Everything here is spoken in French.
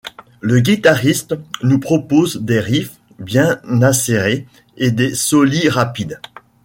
Le guitariste nous propose des riffs bien acérés, et des solis rapides.